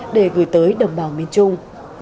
để gửi tới đồng bào miền trung